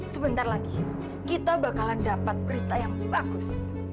sebentar lagi kita bakalan dapat berita yang bagus